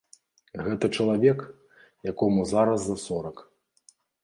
Гэта чалавек, якому зараз за сорак.